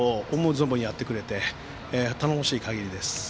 存分やってくれて頼もしい限りです。